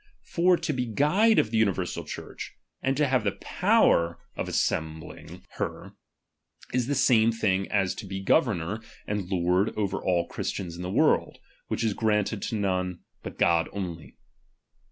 For to be guide of the universal Church, and to have the power of assem The inltrprB 292 RELIGION. CHAP.xvii. bling her, is the same thing as to be governor and ■'' lord over all the Christians in the world ; which is granted to none, but God only.